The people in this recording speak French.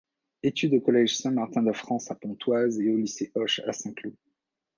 Études au Collège Saint-Martin-de-France à Pontoise et au Lycée Hoche à Saint-Cloud.